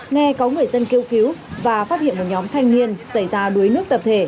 nghe có người dân kêu cứu và phát hiện một nhóm thanh niên xảy ra đuối nước tập thể